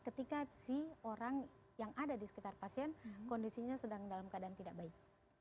ketika si orang yang ada di sekitar pasien kondisinya sedang dalam keadaan tidak baik